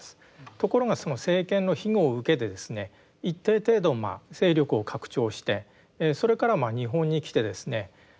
ところがその政権の庇護を受けてですね一定程度勢力を拡張してそれから日本に来てですね